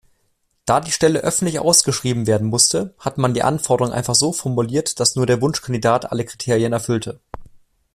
Da die Stelle öffentlich ausgeschrieben werden musste, hat man die Anforderungen einfach so formuliert, dass nur der Wunschkandidat alle Kriterien erfüllte.